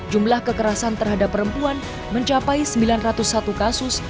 jumlah kekerasan terhadap perempuan mencapai sembilan ratus satu kasus